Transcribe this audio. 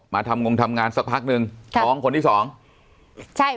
ทำงงทำงานสักพักหนึ่งท้องคนที่สองใช่